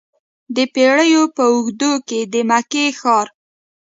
د پیړیو په اوږدو کې د مکې ښار.